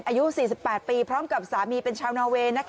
อายุ๔๘ปีพร้อมกับสามีเป็นชาวนอเวย์